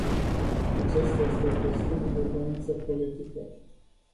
Aceasta este o chestiune de voință politică.